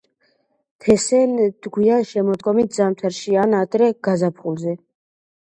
თესენ გვიან შემოდგომით, ზამთარში ან ადრე გაზაფხულზე.